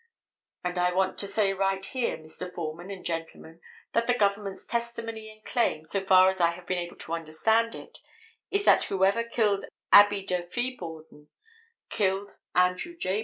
And I want to say right here, Mr. Foreman and gentlemen, that the government's testimony and claim, so far as I have been able to understand it, is that whoever killed Abby Durfee Borden killed Andrew J.